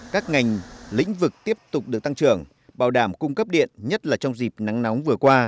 các ngành lĩnh vực tiếp tục được tăng trưởng bảo đảm cung cấp điện nhất là trong dịp nắng nóng vừa qua